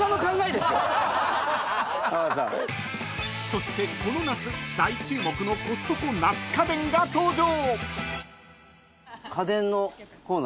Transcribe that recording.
［そしてこの夏大注目のコストコ夏家電が登場］